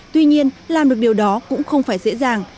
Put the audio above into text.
tuy nhiên làm được điều đó cũng không phải dễ dàng